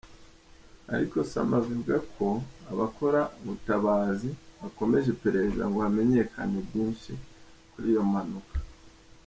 Ariko Sami avuga ko abakora ubutabazi bakomeje iperereza ngo hamenyekane byinshi kuri iyo mpanuka.